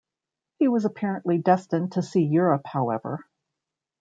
He was apparently destined to see Europe, however.